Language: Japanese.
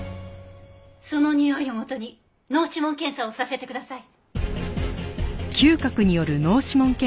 そのにおいを元に脳指紋検査をさせてください。